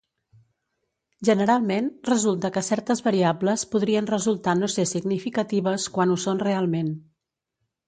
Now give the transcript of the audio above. Generalment resulta que certes variables podrien resultar no ser significatives quan ho són realment.